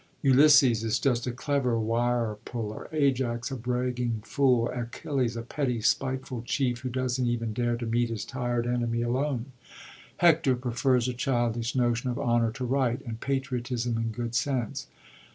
Ulysses is just a clever wire puller, Ajax a bragging fool, Achilles a petty, spiteful chief, who doesn't even dare to meet his tired enemy alone. Hector prefers a childish notion of honor to right, and patriotism, and good sense.